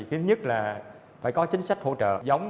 thứ nhất là phải có chính sách hỗ trợ